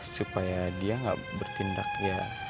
supaya dia nggak bertindak ya